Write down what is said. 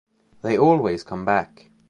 They always come back.